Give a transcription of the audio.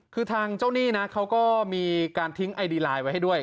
คือทางเจ้าหนี้นะเขาก็มีการทิ้งไอดีไลน์ไว้ให้ด้วย